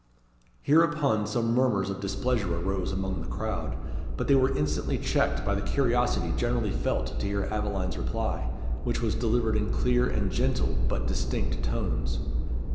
Hereupon some murmurs of displeasure arose among the crowd, but they were instantly checked by the curiosity generally felt to hear Aveline's reply, which was delivered in clear and gentle, but distinct tones.